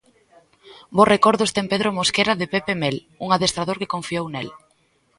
Bos recordos ten Pedro Mosquera de Pepe Mel, un adestrador que confiou nel.